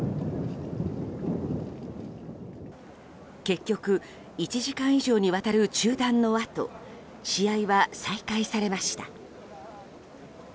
結局、１時間以上にわたる中断のあと試合は再開されました。